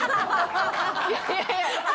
いやいやいや。